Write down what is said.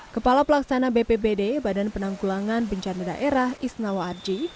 kepala pelaksana bpbd badan penanggulangan bencana daerah isnawa arji